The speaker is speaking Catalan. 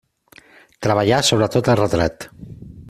Treballà sobretot el retrat.